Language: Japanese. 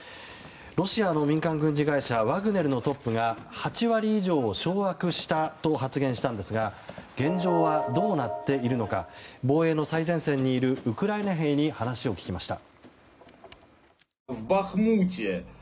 ロシアの民間軍事会社ワグネルのトップが８割以上を掌握したと発言したんですが現状はどうなっているのか防衛の最前線にいるウクライナ兵に話を聞きました。